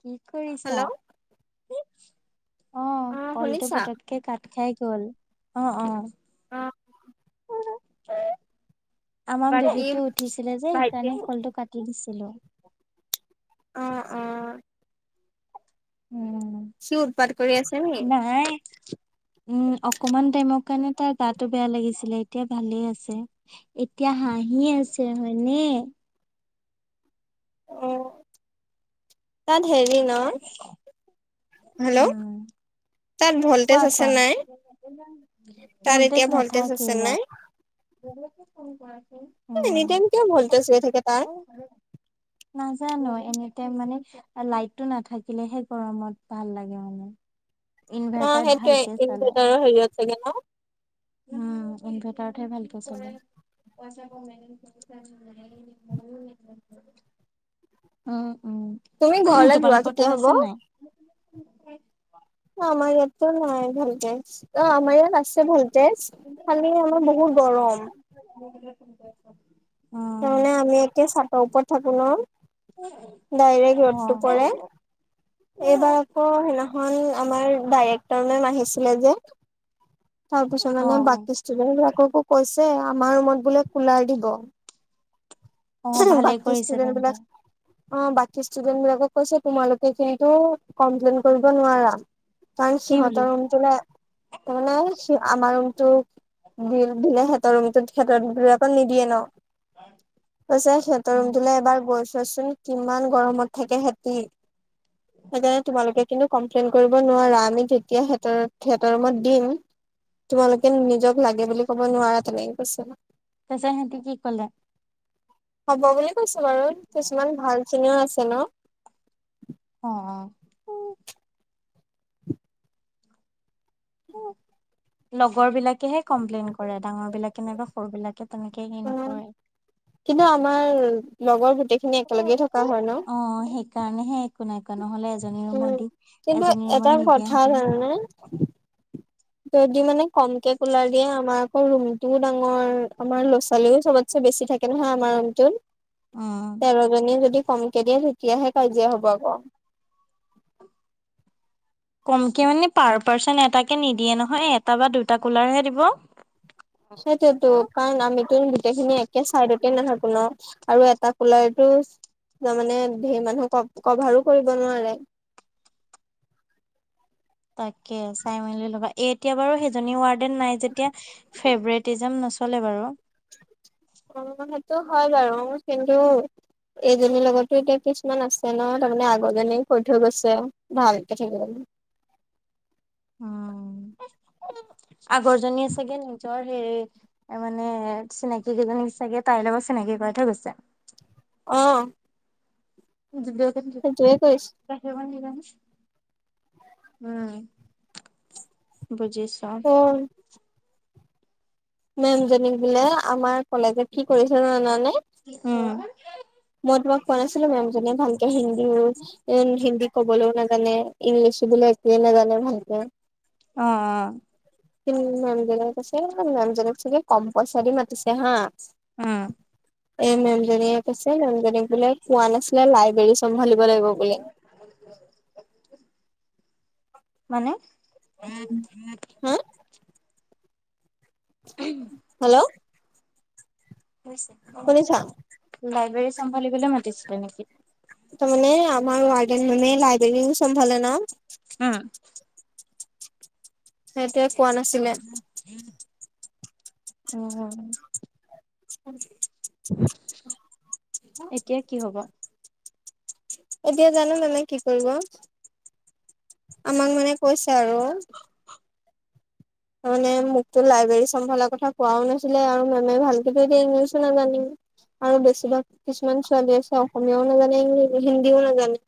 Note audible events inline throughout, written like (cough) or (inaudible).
কি কৰিছা হেল্ল' অ কলটো পটককে কাত খাই গল অ অ আহ (unintelligible) আমাৰ বাকী ভভিটো উঠিছিলে যে ভাইটি সেইকাৰণে শলটো কাটি দিছিলো অ অ উম সি উৎপাত কৰি আছে নি? নাই উম অকমান টাইমৰ কাৰণে তাৰ গাতটো বেয়া লাগিছিলে এতিয়া ভালে আছে এতিয়া হাঁহি আছে হয়নে উ তাত হেৰি ন হেল্ল' উম, তাত ভল্টেজ কোৱা আছে কোৱা নাই? (unintelligible) তাৰ এতিয়া ভল্টেজ আছে নাই? নাথাকাকেইবাৰ (unintelligible) গ (unintelligible) কোন (unintelligible) কোৱা এনিদন কিয় ভলটজ হৈ থাকে তাৰ জানো এনিটাইম মানে লাইটটো নাথাকিলেহে গৰমত ভাল লাগে মানে ইনভে সেইটোয়ে ইনভাৰটাৰৰ হেৰিয়ত চাগে ন উম ইনভাৰটাৰহে ভালকে চল উ উম তুমি ঘৰলে যোৱা তোমালোকৰ কেতিয়া তাত হ'ব? আছে নাই অ মাগে নাই ভালে অ আমাৰ ইয়াত আছে ভল্টেজ খালি আমাৰ বহুত গৰম ছ তাৰমানে আমি একি চাতৰ ওপৰত থাকো ন ডাইৰেক্ট অ ৰ'দটো পৰে এইবাৰ আকৌ সেইদিনাখন আমাৰ ডাইৰেক্টৰ মে আহিছিলে যে তাৰ পিছত অ অ মানে বাকী ষ্টুডেন্ট বিলাককো কৈছে আমাৰ ৰুমত বোলে কুলাৰ দিব অ ভালে বাকী কৰিছে ষ্টুডেণ্ট তেন্তে বিলাক অ বাকী ষ্টুডেন্ট বিলাকক কৈছে তোমালোকে কিন্তু কমপ্লেইন কৰিব নোৱাৰা কাৰণ কি বুলি সিহঁতৰ ৰুমটো ম মানে আমাৰ ৰুমটো দি দিনা সঁৰৰত সতৰকৌ নিদিয়ে ন। কৈছে সিহঁতৰ অ ৰুমটোলে এবাৰ গৈছচোন কিমান গৰমত থাকে সেহটি, সেইকাৰণে তোমালোকে কিন্তু কমপ্লেইন কৰিব নোৱাৰা আমি যেতিয়া স সিহট ৰুমত দিম। তোমালোকে নিজক লাগে বুলি কব নোৱাৰা তেনেকে কৈছ। পিছে সেহতি কি ক'লে? হ'ব বুলি কৈছো বাৰু কিছুমান ভাল চিনিও আছে ন। অ উ লগৰ বিলাকেহে কমপ্লেইন কৰে ডাঙৰ বিলাকে নাইবা সৰু বিলাকে। তেনেকে হেৰি অ' নকৰে কিন্তু আমাৰ লগৰ গোটেইখিনি একেলগেই থকা হয় ন। অ সেইকাৰণেহে একো নাই নহলে এজনী ৰুমত উম দি কিন্তু এজনী এটা ৰুমত কথা নিদিয়াহেতেন জানানে যদি মানে কমকে কলাৰ দিয়ে আমাৰ আকৌ ৰুমটোও ডাঙৰ আমাৰ ল ৰা চোৱালিও চবতচে বেছি থাকে নহয় আমাৰ অটো উম তেৰজনীয়ে যদি কমকে দিয়া। তিয়াহে কাজিয়া হ'ব আকৌ কমকে মানে পাৰ পাৰ্চন এটাকে নিদিয়ে নহয় এটা বা দুটা কুলাৰহে দিব। সেইটোতো কাৰণ আমিত গোটেইখিনি একে চাইডতে নাথাকো। ন আৰু এটা কুলাৰটো তাৰমানে ধেই মানুহ ক কভাৰো কৰিব নোৱাৰে। (inaudible) তাকে চাই মেলি লগা এ এতিয়া বাৰু সেইজনী ৱাৰড। ন নাই যদি ফেভেৰেতদিজম নচলে বাৰু অ' সেইটো হয় বাৰু কিন্তু। এইজনীৰ লগতো এতিয়া কিছুমান আছে ন তাৰমানে আগ জনী কৈ থৈ গৈছে ভালকে থাকিব। (inaudible) উম, আগৰ জনীযে চাগে নিজৰ সেই মানে চিনাকি কেইজনী চাগে তাইৰ লগত চিনাকি কৰা থৈ গৈছে। অ', ম সেইটোয়ে (unintelligible) কৰিছো উম, বুজিছা। অ মেম জনীক বোলে আমাৰ কলেজে কি কৰিছে জ জানানে? উম, মই তোমাক কোৱা নাছিলো মেম জনীযে ভালকে হিন্দী-হিন্দী কবলৈও নাজানে ইংলিচো বুলি একোৱে নাজানে ভালকে। অ-অ, কি মেম জনী কৈছে মেম জনীক চাগে কম পইচাৰ দি মাতিছে হা। উম এ মেমজনীয়ে কৈছে মেমজনীক বোলে কোৱা নাছিলে লাইব্ৰেৰী চম্ভালিব। লাগিব বুলি। মানে হা হেল্ল', শুনিছা লাইব্ৰেৰী চম্ভালিবলৈ মাতিছিলে নেকি? তাৰ মানে আমাৰ ৱাৰ্ডেন মানে লাইব্ৰেৰী চ্ভালে ন। উম, সেইটোৱে। কোৱা নাছিলে। অহ, (inaudible) এতিয়া কি হব। এতিয়া জানো মানে কি কৰিব। আমাক মানে কৈছে আৰু মানে মোকতো লাইব্ৰেৰী চম্ভালাৰ কথা কোৱাও নাছিলে আৰু মেমে ভালক ইংলিছো নাজানে। আৰু বেছিভাগ কিছুমান ছোৱালী আছে অসমীয়াও নাজানে ইং হিন্দীও নাজানে।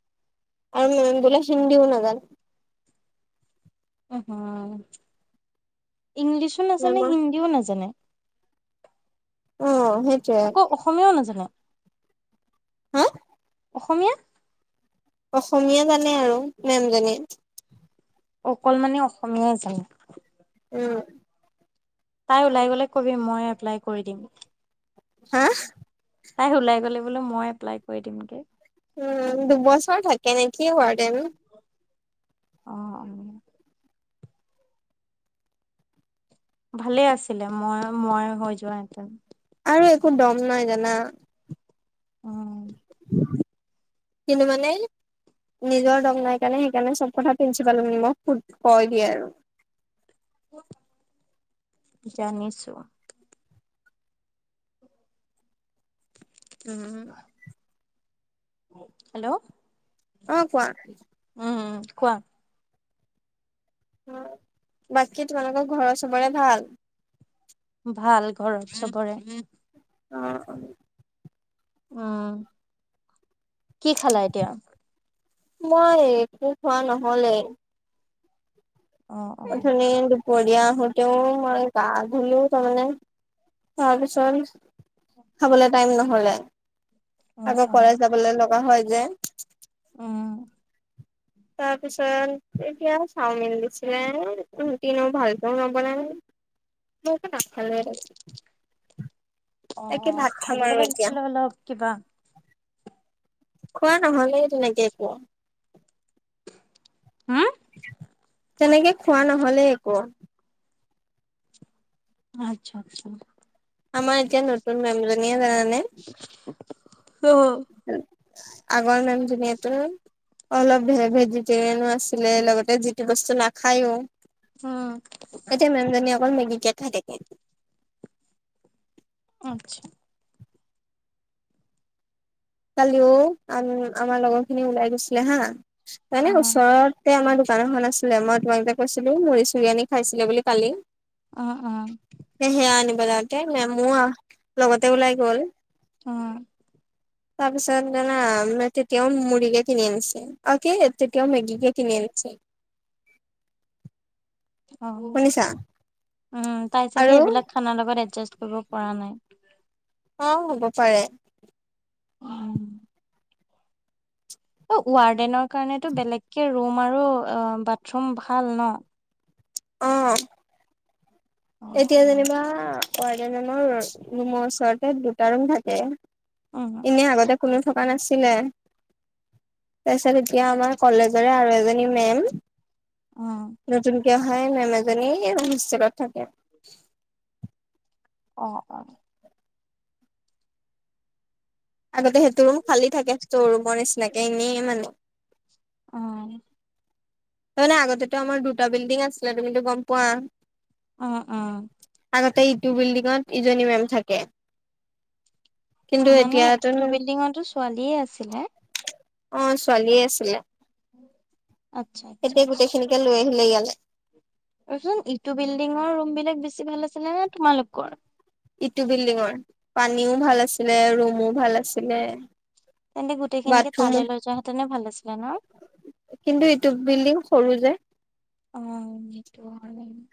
আৰু মেম বোলে হিন্দী ও নাজানে। ইংলিছো নাজানে মেমৰ হিন্দীও নাজানে। উম আকৌ অসমীয়াও নাজানে। হা? অসমীয়া। অসমীয়া জানে আৰু মেম জনীয়ে। অকল মানে অসমীয়াই জানে। উম। তাই ওলাই গ'লে কবি মই এপ্লাই কৰি দিম। হা। তাই ওলাই গলে বোলো মই এপ্লাই কৰি দিমগে। উম দুবছৰ থাকে নে কি ৱাৰ্ডেন। আহ অ। ভালে আছিলে মই মই হৈ যোৱা হেঁতেন। আৰু একো দম নাই জানা। অ। কিন্তু মানে- নিজৰ দম নাই কাৰণে সেইকাৰণে চব কথা প্ৰিন্সিপালক নিমোক কয় দিয়ে আৰু। জানিছো। উম। হেল্ল' অ কোৱা। উম কোৱা। অ বাকী তোমালোকৰ ঘৰৰ চবৰে ভাল। ভাল ঘৰৰত চবৰে। অ অ। উম কি খালা এতিয়া? মই একো খোৱা নহলেই। অ অ অথনি দুপৰীয়া আহোতেও মই গা ধলো তাৰমানে। তাৰপিছত খাবলৈ টাইম নহলে। অ আকৌ কলে যাবলৈ লগা হয় যে। আহ। তাৰপিছত এতিয়া চাওমিন দিছিলে ৰুটিনো ভালকেও নবননালে। মই টো নাখালোৱে। অ অ খাই ল'ব লাগিছিলে অলপ কিবা। খোৱা নহ'লে তেনেকে একো। হুম? তেনেকে খোৱা নহলে একো। আচ্ছা আচ্ছা। আমাৰ এতিয়া নতুন মেম জনীয়ে জানা অহ হ। আগৰ নাম ধুনিয়াটো অলপ ভে ভেজিটেৰিয়ানো আছিলে লগতে যিটো বস্তু নাখায়ো। উম এতিয়া মেম জনী অকল মেগি কে খাই থাকে। আচ্ছা। কালিও আ আমাৰ লগৰ খিনি ওলাই গৈছিলে হা। অ এনে ওচৰতে আমাৰ বাৰ খন আছিলে মই তোমাক যে কৈছিলো মুৰি চুৰি আানি খাইছিলে বুলি কালি অ' অ'। উলাওতে মেমো আও লগতে ওলাই গল। উম। তাৰ পিছত জানা তেতিয়াও মুড়িকে কিনি আনিছে আৰু কি তেতিয়াও মেগীকে কিনি আনিছে। (inaudible) আউ, শুনিছা উম তাই চাগে আৰু এইবিলাক খানাৰ লগত এডজা কৰিব পৰা নাই। অ', হ'ব পাৰে। উম, অ', ৱাৰ্ডেনৰ কাৰণেতো বেলেগকে ৰুম আৰু বাথৰুম ভাল ন'। অ'। উম, এতিয়া উম, যেনিবা ৱাডজনৰ ৰুমৰ ওচৰতে দুটা ৰুম থাকে। উম, ইনেই আগতে কোনো, থকা নাছিলে তাৰপিছত এতিয়া আমাৰ কলেজৰে আৰু এজনী মেম, আহ। (unintelligible) অহাই নাই মেমজনী হোষ্টেলত থাকে অ', অ'। আগতে সেইটো ৰুম খালী থাকে ষ্টৰ ৰুমৰ নিচিনাকে এনেইে মানে। আহ। তাৰমানে আগতো আমাৰ দুটা বিল্ডিং আছিলে তুমিতো গম পোৱা। অ', অ'। আগতে ইটো বিল্ডিঙত ইজনী মেম থাকে। কিন্তু মানে এতিয়াতো ইটো বিল্ডিঙতো ছোৱালীয়ে আছিলে। অ', ছোৱালীয়ে আছিলে। আচ্ছা, আচ্ছা। এতিয়া গোটেইখিনিকে লৈ আহিলে ইয়ালে। ৰচোন ইটো বিল্ডিঙৰ ৰুম বিলাক বেছি ভাল আছিলে নে তোমালোকৰ? ইটো বিল্ডিঙৰ পানীও ভাল আছিলে ৰুমো ভাল আছিলে। তেন্তে গোটেই খিনিকে বাথৰুমো তালৈ লৈ যোৱা হেঁতেনে ভাল আছিলে ন'। কিন্তু এইটো বিল্ডিং সৰু যে। অ', এইটো (unintelligible)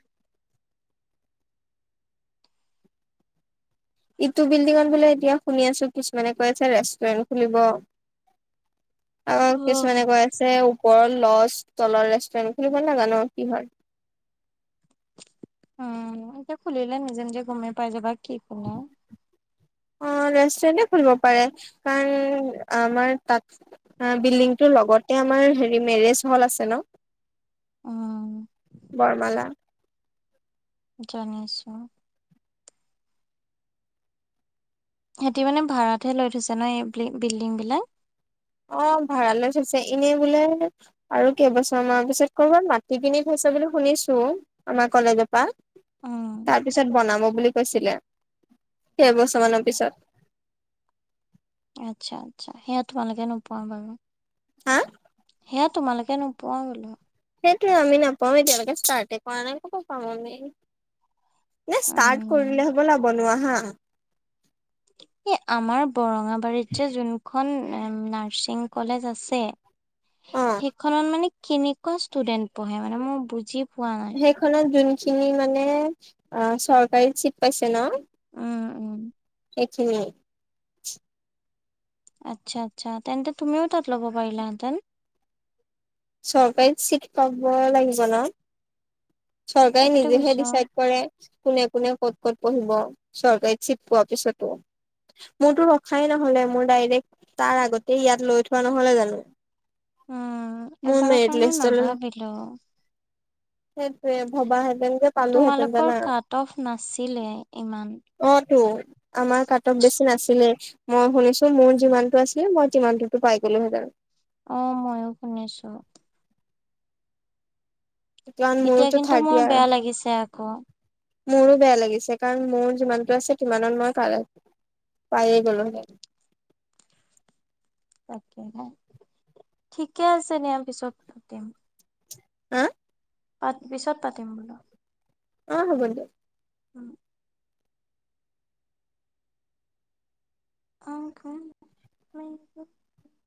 ইটো বিল্ডিঙত বোলে এতিয়া শুনি আছো কিছুমানে কৈ আছে ৰেষ্টুৰেণ্ট খুলিব। আৰু অ' কিছুমানে কৈ আছে বৰ ল'জ তলত ৰেষ্টুৰেণ্ট খুলিব, নাজানো কি হয়। উম এতিয়া খুলিলে নিজে নিজে গমে পাই যাবা কি ক অ (unintelligible) অ', ৰেষ্টুৰেণ্টতে খুলিব পাৰে কাৰণ আমাৰ তাত বিল্ডিংটোৰ লগতে আমাৰ হেৰি মেৰেজ হল আছে ন', উম। বৰমালা। জানিছো। সিহঁতি মানে ভড়াতহে লৈ থৈছে ন এই বিল্ডিং বিলাক। অ', ভাড়া লৈ থৈছে এনেই বোলে আৰু কেইবছৰমানানৰ পিছত কৰবাত মাটি কিনি থৈছে বুলি শুনিছো আমাৰ কলেজৰ পৰা উম তাৰ পিছত বনাব বুলি কৈছিলে এৰবছৰ মানৰ পিছত। আচ্ছা, আচ্ছা সেয়া তোমালোকে নোপোৱা বাৰু। হা। এ তোমালোকে নোপোৱা বুলু। সেইটোৱে আমি নাপাওঁ এতিয়ালৈকে ষ্টাৰ্টে কৰা নাই ক'ৰ পৰা পাম আমি। নে ষ্টাৰ্ট উম কৰিলে হ'বলা বনোৱা হা। আমাৰ বৰঙাবাৰীত যে যোনখন নাৰ্ছিং কলেজ আছে। অ সেইখনত মানে কেনেকুৱা ষ্টুডেন্ট পঢ়ে মানে মই বুজি পোৱা নাই সেইখনত যোনখিনি মানে অ', চৰকাৰী চিট পাইছে ন'। উম', উম। সেইখিনি। আচ্ছা আচ্ছা তেন্তে তুমিও তাত ল'ব পাৰিলাহেতেন। চৰকাৰী চিট পাব লাগিব ন'। চৰকাৰে তাকেতো নিজেহে কৈছো ডিচাইড কৰে কোনে কোনে ক'ত ক'ত পঢ়িব চৰকাৰী চিট পোৱা পিছতো। মোৰতো ৰখাই নহলে মোৰ ডাইৰেক্ট তাৰ আগতে ইয়াত লৈ থোৱা নহ'লে জানো। উম মোৰ এবাৰৰ মেৰিট কাৰণেও লিষ্টলৈ নাভাবিলো। ত ভবাহেঁতেন যে পালোহেঁতেন তোমালোকৰ জনা। কাট অফ নাছিলে ইমান অ', তটো আমাৰ কাট অফ বেছি নাছিল আছিলে মই শুনিছো মোৰ যিমান টো আছিলে মই যিমানটোতো পাই গ'লো হেতেন। অ', মইও শুনিছো। কাৰণ এতিয়া মোৰতো কিন্তু মোৰ থাৰ্তী বেয়া লাগিছে আকৌ মোৰো বেয়া লাগিছে কাৰণ মোৰ যিমানতটো আছে সিমানত মই পাইে গলো হেতেন। তাকে ঠিকে আছে দিয়া পিছপাতিম। উম। পিছত পাতিম বোলো। অ', হ'ব দিয়া। উম। অ', আকৌ (unintelligible)